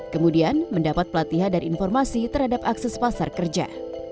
kemudian mendapat pelatihan dan informasi terhadap akses pasar kerja